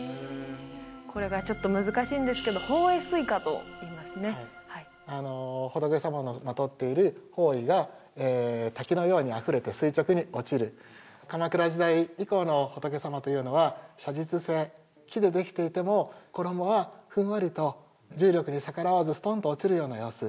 これがちょっと難しいんですけど法衣垂下といいますね仏様のまとっている法衣が滝のようにあふれて垂直に落ちる鎌倉時代以降の仏様というのは写実性木でできていても衣はふんわりと重力に逆らわずストンと落ちるような様子